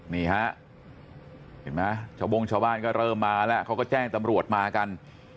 นี่ฮะเห็นไหมชาวบงชาวบ้านก็เริ่มมาแล้วเขาก็แจ้งตำรวจมากัน